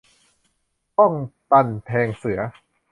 บ้องตันแทงเสือ